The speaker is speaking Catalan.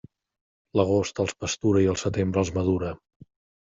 L'agost els pastura i el setembre els madura.